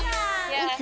いつ？